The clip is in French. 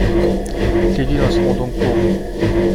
Toutes les villes en seront donc pourvues.